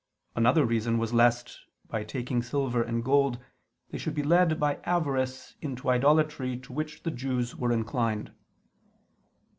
Another reason was lest, by taking silver and gold, they should be led by avarice into idolatry to which the Jews were inclined.